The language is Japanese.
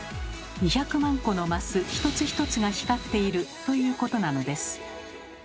２００万個のマス１つ１つが光っているということなのです。